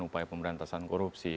upaya pemberantasan korupsi